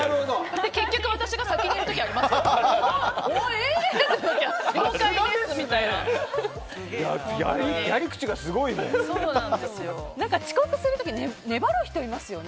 結局、私が先にいる時ありますよ。